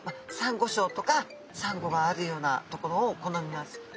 サンゴしょうとかサンゴがあるようなところを好みます。